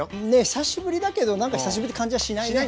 久しぶりだけどなんか久しぶりって感じはしないね。